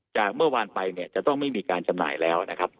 จากเมื่อวานไปเนี่ยจะต้องไม่มีการจำหน่ายแล้วนะครับ